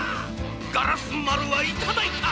ガラスまるはいただいた！